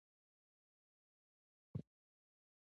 لیکوال د خپلو اتلانو په مېړانه کې د خپل ملت وقار وینه.